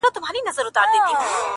• راځي سبا.